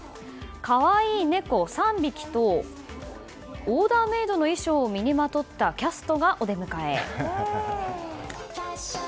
カワイイ猫３匹とオーダーメイドの衣装を身にまとったキャストがお出迎え。